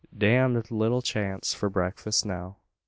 Damned little chance for breakfust now."